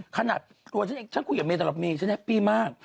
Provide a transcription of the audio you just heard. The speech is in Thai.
ขนาดตัวฉันเองฉันคุยกับเมธอัพมีฉันแฮปปี้มาก